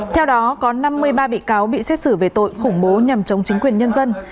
theo đó có năm mươi ba bị cáo bị xét xử về tội khủng bố nhằm chống chính quyền nhân dân